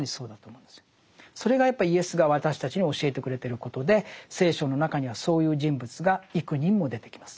それがやっぱりイエスが私たちに教えてくれてることで聖書の中にはそういう人物が幾人も出てきます。